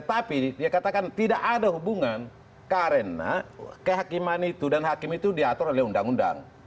jadi dia katakan tidak ada hubungan karena kehakiman itu dan hakim itu diatur oleh undang undang